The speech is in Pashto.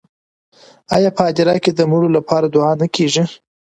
آیا په هدیره کې د مړو لپاره دعا نه کیږي؟